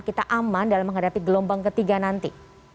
kita aman dalam menghadapi gelombang ketiga nanti